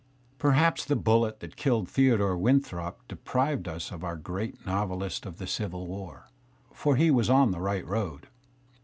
Perhaps the bullet that killed Theodore Winthrop deprived us of our great novelist of the Civil War, for he was on the right road.